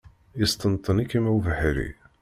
Yesṭenṭen-ikem ubeḥri.